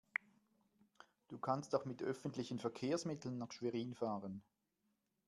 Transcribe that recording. Du kannst doch mit öffentlichen Verkehrsmitteln nach Schwerin fahren